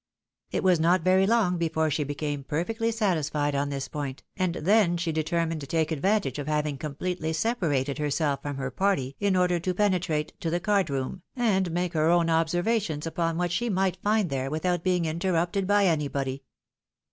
It was not very long before she became perfectly satisfied on this point, an.L then she determined to take advantage of having completely separated herself from her party in order to penetrate to the card room, and make her own observations upon what shj might find there, without being interrupted by anybody.